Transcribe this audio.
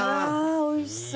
おいしそう。